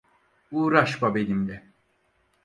Uğraşma benimle.